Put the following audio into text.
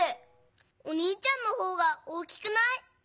おにいちゃんのほうが大きくない？